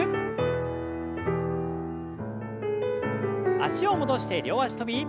脚を戻して両脚跳び。